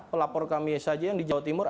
pelapor kami saja yang di jawa timur